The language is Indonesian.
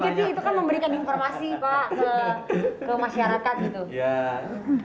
oh dikit ya itu kan memberikan informasi pak ke masyarakat gitu